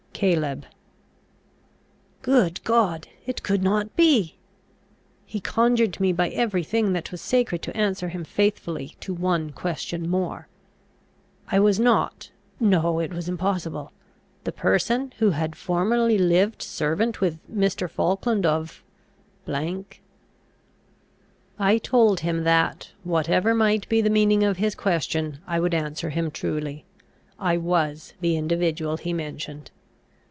Caleb. Good God! it could not be ? He conjured me by every thing that was sacred to answer him faithfully to one question more. I was not no, it was impossible the person who had formerly lived servant with Mr. Falkland, of ? I told him that, whatever might be the meaning of his question, I would answer him truly. I was the individual he mentioned.